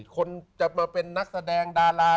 คนจะมาเป็นนักแสดงดารา